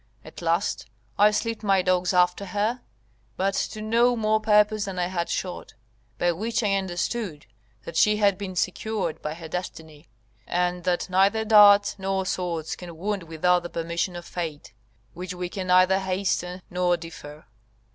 At last I slipped my dogs after her, but to no more purpose than I had shot: by which I understood that she had been secured by her destiny; and, that neither darts nor swords can wound without the permission of fate, which we can neither hasten nor defer."